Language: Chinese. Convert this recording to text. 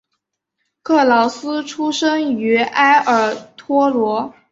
克劳斯出生在埃尔托罗。